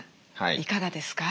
いかがですか？